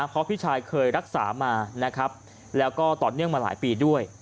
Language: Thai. เพราะพี่ชายเคยรักษามาแล้วก็ตอนเนี่ยงมาหลายปีด้วย